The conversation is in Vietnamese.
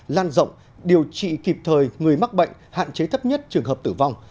lan rộng điều trị kịp thời người mắc bệnh hạn chế thấp nhất trường hợp tử vong